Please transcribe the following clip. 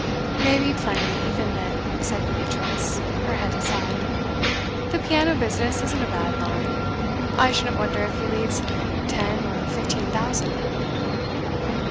'May be plenty, even then,' said Beatrice, her head aside. 'The piano business isn't a bad line. I shouldn't wonder if he leaves ten or fifteen thousand.